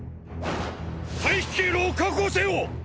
退避経路を確保せよ！！